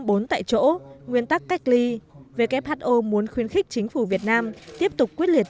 bốn tại chỗ nguyên tắc cách ly who muốn khuyến khích chính phủ việt nam tiếp tục quyết liệt